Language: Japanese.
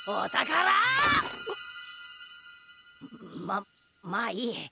ままあいい。